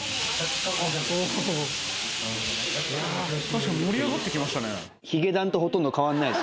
確かに盛り上がってきましたね